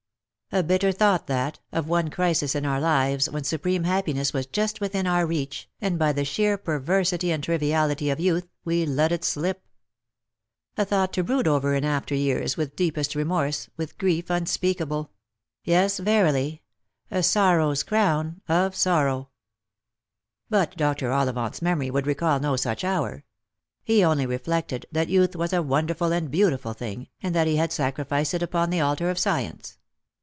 A bitter thought, that, of one crisis in our fives when supreme happiness was just within our reach, and by the sheer perversity and triviality of youth we let it slip. A thought to brood over in after years with deepest remorse, with grief unspeakable ; yes, verily, " a sorrow's crown of sorrow." But Dr. Ollivant's memory could recall no such hour. He only reflected that youth was a wonderful and beautiful thing, and that he had sacrificed it upon the altar of science.